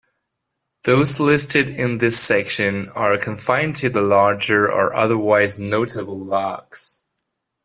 Those listed in this section are confined to the larger or otherwise notable lochs.